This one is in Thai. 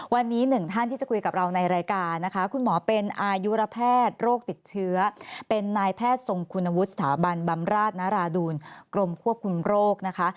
วันนี้หนึ่งท่านที่จะคุยกับเราในรายการนะคะคุณหมอเป็นอายุระแพทย์โรคติดเชื้อเป็นนายแพทย์ทรงคุณวุฒิสถาบันบำราชนราดูลกรมควบคุมโรคนะคะ